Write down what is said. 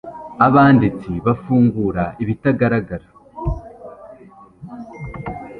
abanditsi bafungura ibitagaragara